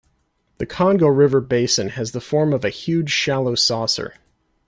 The Congo River basin has the form of a huge, shallow saucer.